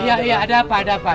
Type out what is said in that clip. iya iya ada apa ada apa